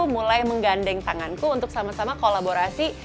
mulai menggandeng tanganku untuk sama sama kolaborasi